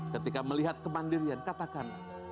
ketika melihat kemandirian katakanlah